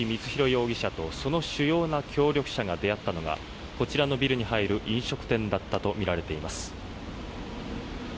容疑者とその主要な協力者が出会ったのはこちらのビルに入る飲食店だったとみられています。